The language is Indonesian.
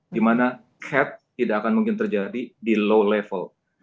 di mana head tidak akan mungkin terjadi di low level